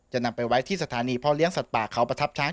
นำไปไว้ที่สถานีพ่อเลี้ยสัตว์ป่าเขาประทับช้าง